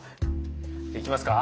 じゃあいきますか？